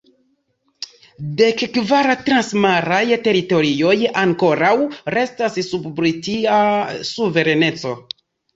Dekkvar transmaraj teritorioj ankoraŭ restas sub Britia suvereneco.